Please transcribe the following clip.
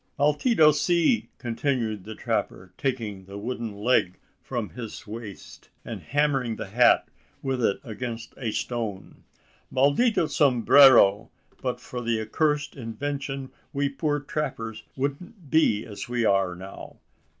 "Maldito sea!" continued the trapper, taking the wooden leg from his waist, and hammering the hat with it against a stone "maldito sombrero! but for that accursed invention, we poor trappers wouldn't be as we are now.